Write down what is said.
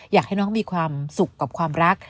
อยากให้น้องมีความสุขกับความรัก